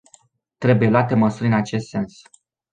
Trebuie luate măsuri în acest sens.